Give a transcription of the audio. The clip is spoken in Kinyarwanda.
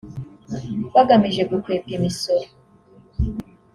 bagamije gukwepa imisoro